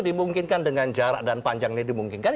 dimungkinkan dengan jarak dan panjangnya dimungkinkan